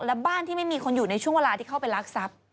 และบ้านที่ไม่มีคนอยู่ในช่วงเวลาที่เข้าไปรักทรัพย์